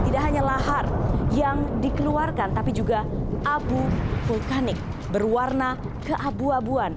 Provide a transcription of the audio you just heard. tidak hanya lahar yang dikeluarkan tapi juga abu vulkanik berwarna keabu abuan